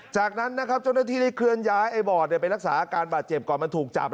จากนั้นนะครับเจ้าหน้าที่ได้เคลื่อนย้ายไอ้บอดไปรักษาอาการบาดเจ็บก่อนมันถูกจับ